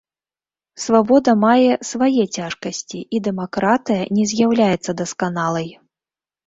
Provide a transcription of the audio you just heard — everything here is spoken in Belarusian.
Свабода мае свае цяжкасці і дэмакратыя не з'яўляецца дасканалай.